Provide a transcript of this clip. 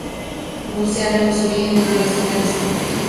Bucear en los orígenes de la ciudad es complejo.